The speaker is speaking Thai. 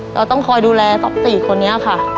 เราต้องคอยดูแลทรัพย์สี่คนนี้ค่ะ